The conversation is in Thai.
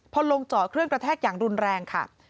พอลงจอดเครื่องกระแทกอย่างรุนแรงค่ะ